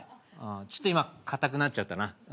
ちょっと今硬くなっちゃったな。